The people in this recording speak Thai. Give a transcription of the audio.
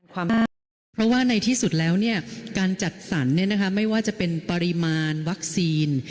เพราะว่าในที่สุดแล้วเนี่ยการจัดสรรเนี่ยนะคะไม่ว่าจะเป็นปริมาณวัคซีน